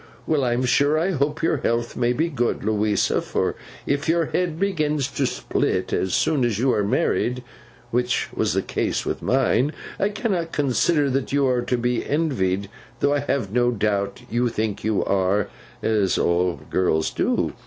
Well, I'm sure I hope your health may be good, Louisa; for if your head begins to split as soon as you are married, which was the case with mine, I cannot consider that you are to be envied, though I have no doubt you think you are, as all girls do.